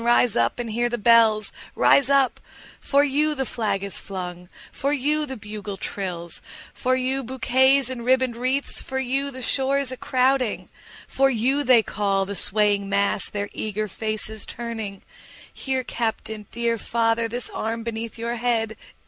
rise up and hear the bells; Rise up—for you the flag is flung—for you the bugle trills, 10 For you bouquets and ribbon'd wreaths—for you the shores crowding, For you they call, the swaying mass, their eager faces turning; Here, Captain! dear father! This arm beneath your head!